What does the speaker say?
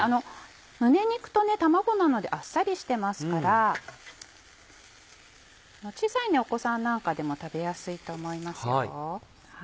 胸肉と卵なのであっさりしてますから小さいお子さんなんかでも食べやすいと思いますよ。